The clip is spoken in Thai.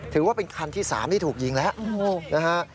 ถือว่าเป็นคันที่๓ที่ถูกยิงแล้วนะฮะ